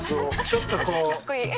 ちょっとこう。